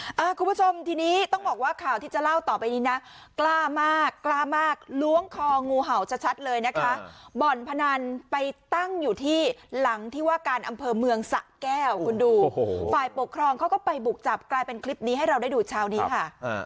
คุณผู้ชมทีนี้ต้องบอกว่าข่าวที่จะเล่าต่อไปนี้นะกล้ามากกล้ามากล้วงคองูเห่าชัดชัดเลยนะคะบ่อนพนันไปตั้งอยู่ที่หลังที่ว่าการอำเภอเมืองสะแก้วคุณดูโอ้โหฝ่ายปกครองเขาก็ไปบุกจับกลายเป็นคลิปนี้ให้เราได้ดูเช้านี้ค่ะ